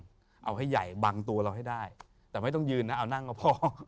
เอาให้ใหญ่บังตัวเราให้ได้แต่ไม่ต้องยืนนะเอานั่งกับพ่อ